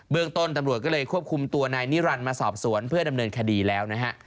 ต้นตำรวจก็เลยควบคุมตัวนายนิรันดิ์มาสอบสวนเพื่อดำเนินคดีแล้วนะฮะ